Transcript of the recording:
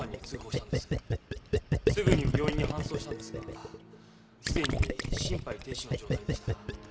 すぐに病院に搬送したんですがすでに心肺停止の状態でした。